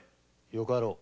よかろう。